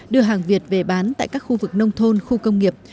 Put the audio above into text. đưa hàng việt về bán tại các khu vực nông thôn khu công nghiệp